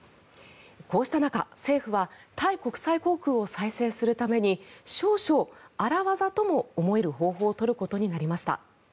こうした中、政府はタイ国際航空を再生するために少々荒業とも思える方法を取ることになりました。